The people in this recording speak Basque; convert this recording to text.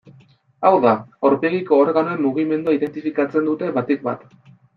Hau da, aurpegiko organoen mugimendua identifikatzen dute batik bat.